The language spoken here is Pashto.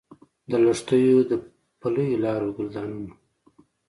د لښتیو، پلیو لارو، ګلدانونو